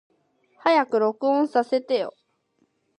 早く録音させてよ。